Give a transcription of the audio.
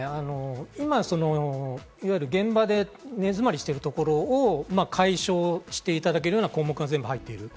今、現場で根詰まりしているところを解消していただけるような項目が全部入っている。